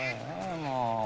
もう。